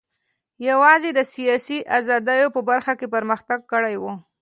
یوازې د سیاسي ازادیو په برخه کې پرمختګ کړی و.